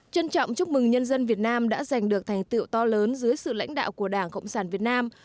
trân trọng chúc mừng nhân dân việt nam đã giành được thành tiệu to lớn dưới sự lãnh đạo của đảng cộng sản việt nam